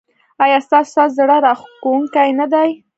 ایا ستاسو ساز زړه راښکونکی نه دی؟